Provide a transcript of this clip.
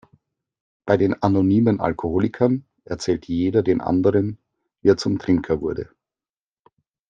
Bei den Anonymen Alkoholikern erzählt jeder den anderen, wie er zum Trinker wurde.